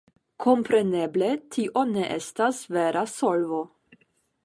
Kompreneble tio ne estas vera solvo.